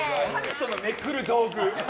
そのめくる道具。